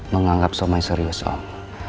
menganggap somai serius om